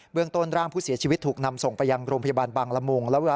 เรื่องต้นร่างผู้เสียชีวิตถูกนำส่งไปยังโรงพยาบาลบางละมุง